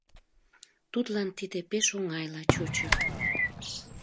Тудлан тиде пеш оҥайла чучо.